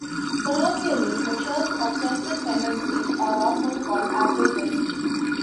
Colloquially, measures of central tendency are often called averages.